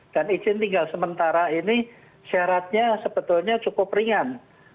dan izin tinggal sementara ini syaratnya sebetulnya cukup ringan